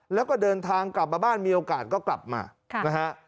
แล้วก็เดินทางกลับมาบ้านมีโอกาสก็กลับมานะฮะ